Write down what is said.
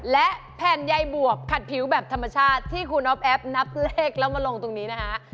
และแผ่นใยบวบขัดผิวแบบธรรมชาติที่คุณอ๊อฟแอฟนับเลขแล้วมาลงตรงนี้นะฮะ